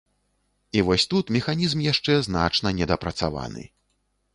І вось тут механізм яшчэ значна недапрацаваны.